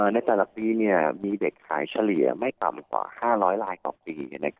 ในแต่ละปีมีเด็กขายเฉลี่ยไม่ต่ำกว่า๕๐๐ลายต่อปี